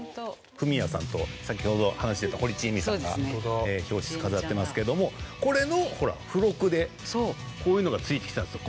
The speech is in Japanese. フミヤさんと先ほど話してた堀ちえみさんが表紙飾ってますけどもこれの付録でこういうのがついてきたんですよ